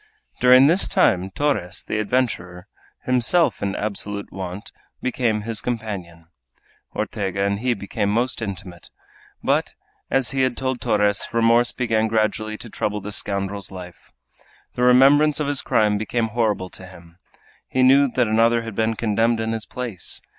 During this time Torres, the adventurer, himself in absolute want, became his companion. Ortega and he became most intimate. But, as he had told Torres, remorse began gradually to trouble the scoundrel's life. The remembrance of his crime became horrible to him. He knew that another had been condemned in his place!